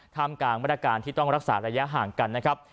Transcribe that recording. ท่ามกลางมาตรการที่ต้องรักษาระยะห่างกันนะครับ